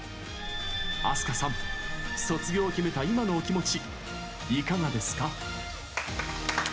飛鳥さん、卒業を決めた今のお気持ち、いかがですか？